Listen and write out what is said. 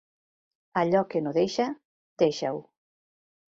Allò que no deixa, deixar-ho.